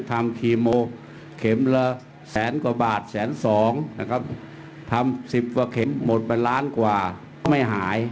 ทำสิบสิบกว่าเข็มหมด๊ะล้านกว่าไม่หาย